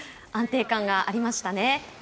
安定感がありましたね。